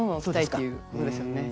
そういうことですよね。